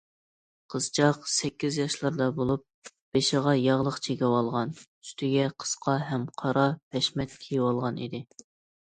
قىزچاق سەككىز ياشلاردا بولۇپ، بېشىغا ياغلىق چىگىۋالغان، ئۈستىگە قىسقا ھەم قارا پەشمەت كىيىۋالغان ئىدى.